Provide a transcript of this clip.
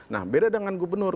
nah beda dengan gubernur